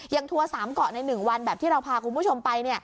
อย่างทัวร์สามเกาะในหนึ่งวันแบบที่เราพาคุณผู้ชมไป